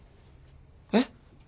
えっ？